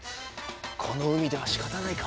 この海ではしかたないか。